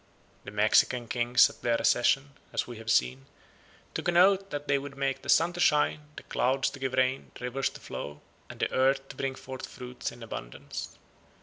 The Mexican kings at their accession, as we have seen, took an oath that they would make the sun to shine, the clouds to give rain, the rivers to flow, and the earth to bring forth fruits in abundance.